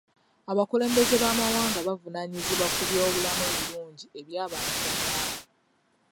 Abakulembeze b'amawanga bavunaanyizibwa ku by'obulamu ebirungi eby'antu bannaabwe.